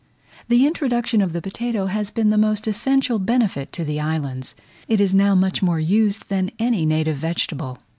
The introduction of the potato has been the most essential benefit to the island; it is now much more used than any native vegetable.